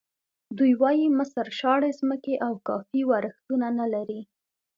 دوی وایي مصر شاړې ځمکې او کافي ورښتونه نه لري.